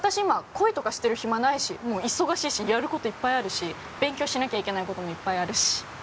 今恋とかしてる暇ないしもう忙しいしやることいっぱいあるし勉強しなきゃいけないこともいっぱいあるし